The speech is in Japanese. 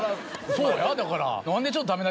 そうやだから。